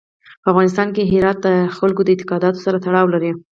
په افغانستان کې هرات د خلکو د اعتقاداتو سره تړاو لري.